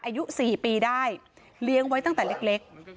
อายุ๔ปีได้เลี้ยงไว้ตั้งแต่เล็ก